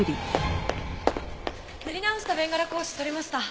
塗り直したベンガラ格子撮りました！